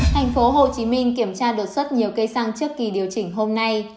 thành phố hồ chí minh kiểm tra đột xuất nhiều cây xăng trước kỳ điều chỉnh hôm nay